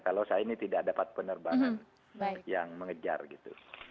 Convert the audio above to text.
kalau saya ini tidak dapat penerbangan yang mengejar gitu